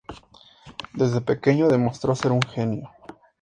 Desde pequeño demostró ser un genio.